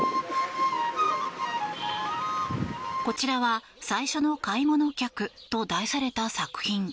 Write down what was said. こちらは「最初の買い物客」と題された作品。